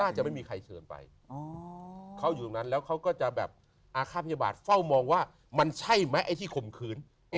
จะไม่มีใครเชิญไปเขาอยู่ตรงนั้นแล้วเขาก็จะแบบอาฆาตพยาบาทเฝ้ามองว่ามันใช่ไหมไอ้ที่ข่มขืน